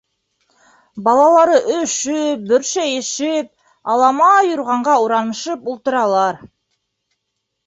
Балалары өшөп, бөршәйешеп, алама юрғанға уранышып ултыралар.